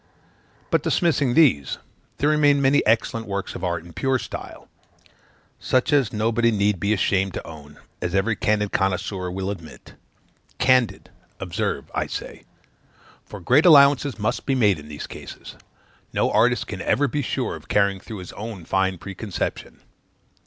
But, dismissing these, there remain many excellent works of art in a pure style, such as nobody need be ashamed to own, as every candid connoisseur will admit. Candid, observe, I say; for great allowances must be made in these cases; no artist can ever be sure of carrying through his own fine preconception.